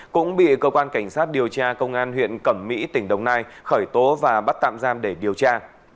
cũng bị cơ quan cảnh sát điều tra công an huyện cẩm mỹ tỉnh đồng nai khởi tố và bắt tạm giam để điều tra